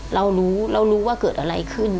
เรารู้เรารู้ว่าเกิดอะไรขึ้น